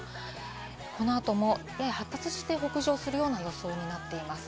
このあとも発達して北上する予想になっています。